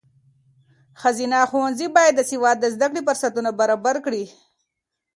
ښځینه ښوونځي باید د سواد د زده کړې فرصتونه برابر کړي.